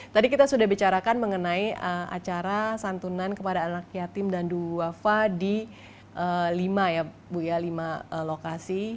tadi kita sudah bicarakan mengenai acara santunan kepada anak yatim dan duwafa di lima lokasi